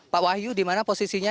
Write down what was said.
pak wahyu di mana posisinya